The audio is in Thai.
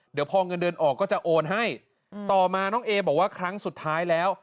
เดี๋ยวพอเงินเดือนออกก็จะโอนให้ต่อมาน้องเอบอกว่าครั้งสุดท้ายแล้ว